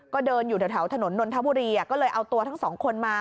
ก็เดินอยู่แถวถนนนนทบุรีก็เลยเอาตัวทั้งสองคนมา